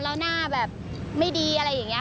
แล้วหน้าแบบไม่ดีอะไรอย่างนี้